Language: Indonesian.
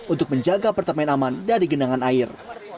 untuk menjaga apartemen aman dari genangan air